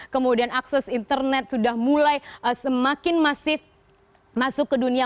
kemudian akses internet sudah mulai semakin masif masuk ke dunia